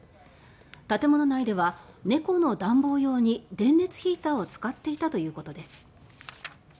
建物内では猫の暖房用に電熱ヒーターを使っていたということです。